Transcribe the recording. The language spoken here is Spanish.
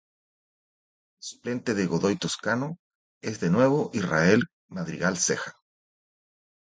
El suplente de Godoy Toscano es de nuevo Israel Madrigal Ceja.